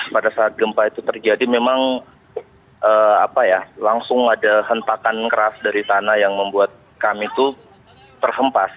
pada saat gempa itu terjadi memang langsung ada hentakan keras dari tanah yang membuat kami itu terhempas